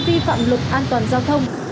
vi phạm luật an toàn giao thông